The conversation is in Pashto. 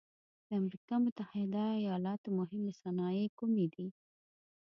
د امریکا متحد ایلاتو مهمې صنایع کومې دي؟